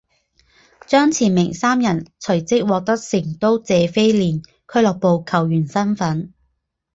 张池明三人随即获得成都谢菲联俱乐部球员身份。